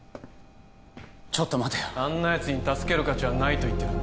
ちょっと待てよあんなやつに助ける価値はないと言ってるんだ